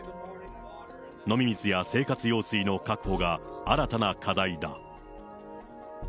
飲み水や生活用水の確保が新たな課題だ。